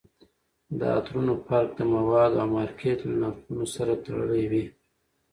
د عطرونو فرق د موادو او مارکیټ له نرخونو سره تړلی وي